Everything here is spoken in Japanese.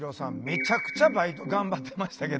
めちゃくちゃバイト頑張ってましたけど。